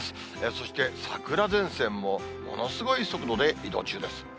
そして、桜前線もものすごい速度で移動中です。